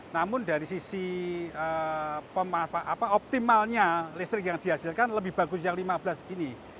namun dari sisi optimalnya listrik yang dihasilkan lebih bagus yang lima belas ini